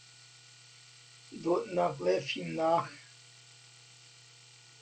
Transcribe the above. Dawtnak le fimnak.